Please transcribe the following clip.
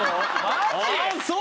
マジ？